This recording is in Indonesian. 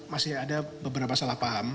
masih ada beberapa salah paham